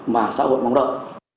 mà xã hội mong đợi